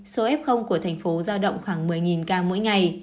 số f của thành phố giao động khoảng một mươi ca mỗi ngày